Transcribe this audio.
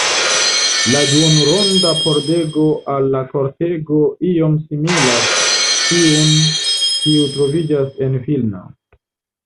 La duonronda pordego al la kortego iom similas tiun, kiu troviĝas en Vilno.